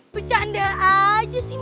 bercanda aja sih